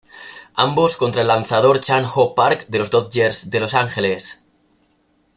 Ambos contra el lanzador Chan Ho Park de los Dodgers de Los Angeles.